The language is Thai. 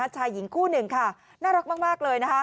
ชายหญิงคู่หนึ่งค่ะน่ารักมากเลย